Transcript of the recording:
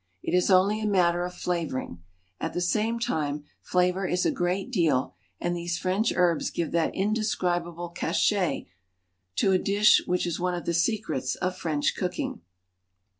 It is only a matter of flavoring, at the same time flavor is a great deal, and these French herbs give that indescribable cachet to a dish which is one of the secrets of French cooking.